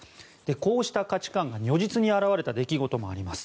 こうした価値観が如実に表れた出来事もあります。